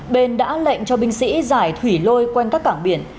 bên đã lệnh cho binh sĩ giải thủy lôi quanh các cảng biển